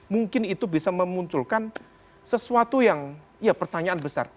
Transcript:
mungkin itu bisa memunculkan sesuatu yang ya pertanyaan besar